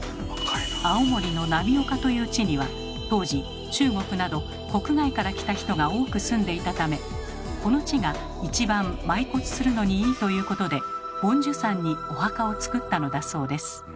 青森の浪岡という地には当時中国など国外から来た人が多く住んでいたためこの地が一番埋骨するのにいいということで梵珠山にお墓をつくったのだそうです。